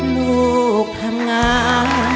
ลูกทำงาน